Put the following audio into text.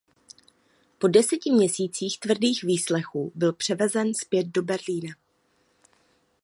Po deseti měsících tvrdých výslechů byl převezen zpět do Berlína.